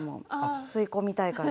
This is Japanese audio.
吸い込みたい感じ。